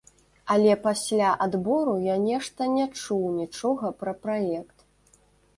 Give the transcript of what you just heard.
Але пасля адбору я нешта не чуў нічога пра праект.